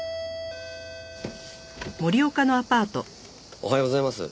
おはようございます。